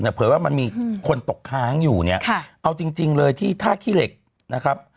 เผยว่ามันมีคนตกค้างอยู่เนี่ยเอาจริงเลยที่ท่าขี้เหล็กนะครับ